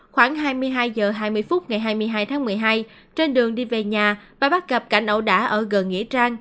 khoảng hai mươi hai h hai mươi phút ngày hai mươi hai tháng một mươi hai trên đường đi về nhà bà bắt gặp cảnh ẩu đả ở gần nghĩa trang